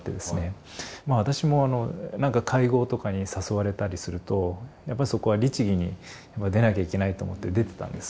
まあ私も何か会合とかに誘われたりするとやっぱりそこは律儀に出なきゃいけないと思って出てたんです。